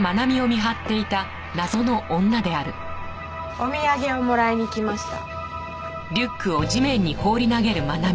お土産をもらいに来ました。